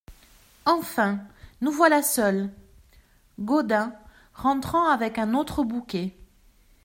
Enfin, nous voilà seuls !…" Gaudin , rentrant avec un autre bouquet.